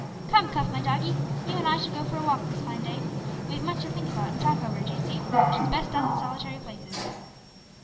"Come, Cuff, my doggie, you an' I shall go for a walk this fine day; we've much to think about an' talk over, d'ee see, which is best done in solitary places."